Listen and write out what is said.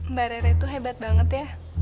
mbak rere tuh hebat banget ya